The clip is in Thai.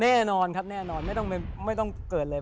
แน่นอนครับแน่นอนไม่ต้องเกิดเลย